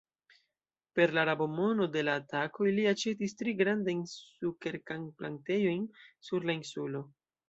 Per la rabo-mono de la atakoj li aĉetis tri grandajn sukerkan-plantejojn sur la insulo.